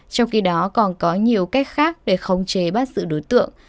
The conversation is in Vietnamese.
trong khi đó còn có nhiều cách khác để khống chế bắt giữ đối tượng